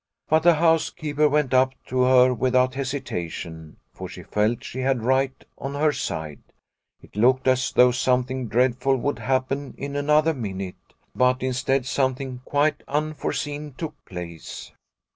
But the housekeeper went up to her without hesitation, for she felt she had right on her side. It looked as though something dreadful would happen in another minute. But instead something quite unforeseen took place.